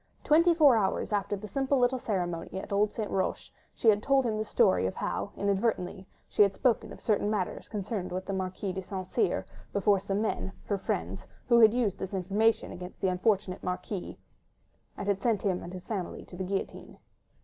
Twenty four hours after the simple little ceremony at old St. Roch, she had told him the story of how, inadvertently, she had spoken of certain matters connected with the Marquis de St. Cyr before some men—her friends—who had used this information against the unfortunate Marquis, and sent him and his family to the guillotine.